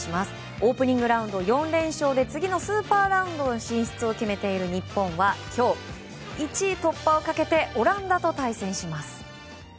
オープニングラウンド４連勝で次のスーパーラウンドに進出を決めている日本は今日、１位突破をかけてオランダと対戦します。